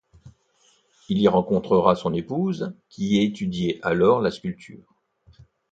Il y rencontrera son épouse qui y étudiait alors la sculpture.